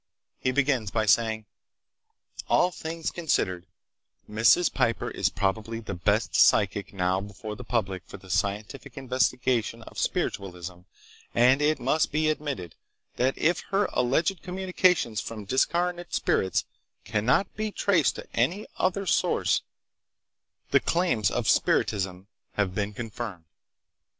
He begins by saying: "All things considered, Mrs. Piper is probably the best 'psychic' now before the public for the scientific investigation of spiritualism and it must be admitted that if her alleged communications from discarnate spirits cannot be traced to any other source, the claims of spiritism have been confirmed."